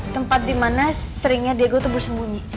tempat dimana seringnya diego itu bersembunyi